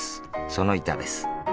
その板です。